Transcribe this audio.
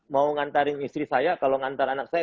mau mengantar istri saya kalau mengantar anak saya